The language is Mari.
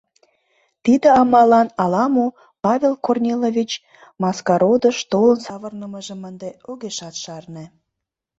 Тиде амаллан ала-мо, Павел Корнилович Маскародыш толын савырнымыжым ынде огешат шарне.